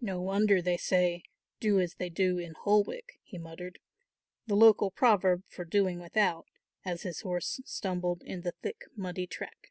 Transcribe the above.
"No wonder they say, 'do as they do in Holwick,'" he muttered, the local proverb for "doing without," as his horse stumbled in the thick muddy track.